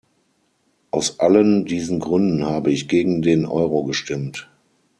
Aus allen diesen Gründen habe ich gegen den Euro gestimmt.